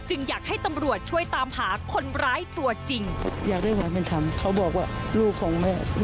จึงอยากให้ตำรวจช่วยตามหาคนร้ายตัวจริง